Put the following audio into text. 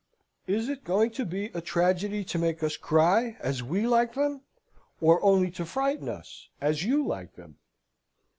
Is it going to be a tragedy to make us cry, as we like them, or only to frighten us, as you like them?"